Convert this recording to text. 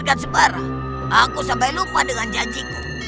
kamu benar mayang sari